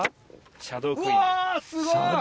シャドークイーン。